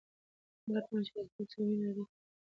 هغه ټولنه چې کتاب سره مینه لري تل د پرمختګ په حال کې وي.